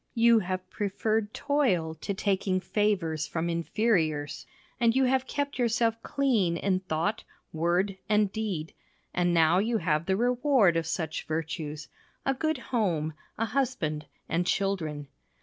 You have preferred toil to taking favours from inferiors, and you have kept yourself clean in thought, word, and deed, and now you have the reward of such virtues a good home, a husband, and children.